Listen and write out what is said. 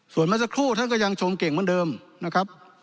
ส่วนเมื่อสักครู่ท่านก็ยังชมเก่งเหมือนเดิมนะครับ